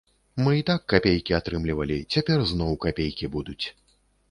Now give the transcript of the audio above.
Мы і так капейкі атрымлівалі, цяпер зноў капейкі будуць.